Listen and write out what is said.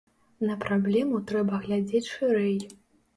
На праблему трэба глядзець шырэй.